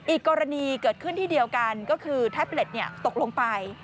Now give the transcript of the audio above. อีกกรณีเกิดขึ้นที่เดียวกันก็คือแท็บเล็ตตกลงไป